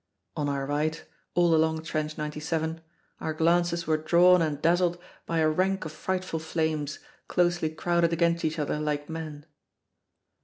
On our right, all along Trench 97, our glances were drawn and dazzled by a rank of frightful flames, closely crowded against each other like men.